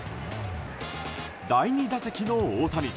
第２打席の大谷。